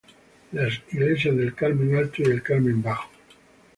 Las iglesias del carmen alto y el carmen bajo.